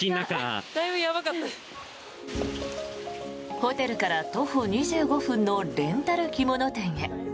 ホテルから徒歩２５分のレンタル着物店へ。